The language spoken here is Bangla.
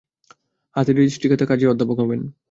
হাতে রেজিস্ট্রি খাতা, কাজেই অধ্যাপক হবেন।